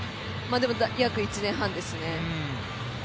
でも約１年半ですね。